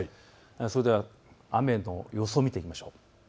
それでは雨の予想を見ていきましょう。